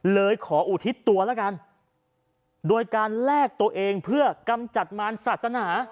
เลยขออุทิศตัวแล้วกันโดยการแลกตัวเองเพื่อกำจัดมารศาสนา